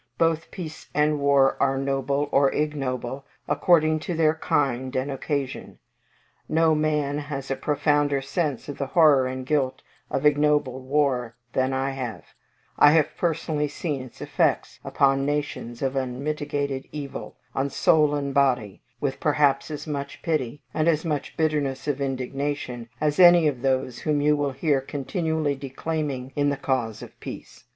Both peace and war are noble or ignoble according to their kind and occasion. No man has a profounder sense of the horror and guilt of ignoble war than I have: I have personally seen its effects, upon nations, of unmitigated evil, on soul and body, with perhaps as much pity, and as much bitterness of indignation, as any of those whom you will hear continually declaiming in the cause of peace.